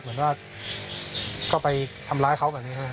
เปลี่ยนก็ได้ทำร้ายเขากว่าอย่างนี้ค่ะ